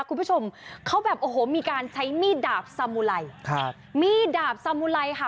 คุณผู้ชมเขาแบบโอ้โหมีการใช้มีดดาบสามุไรครับมีดดาบสามุไรค่ะ